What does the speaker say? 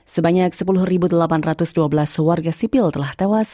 sebanyak sepuluh delapan ratus dua belas warga sipil telah tewas